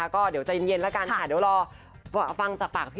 ก็เดี๋ยวจะเย็น